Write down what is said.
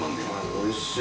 おいしい。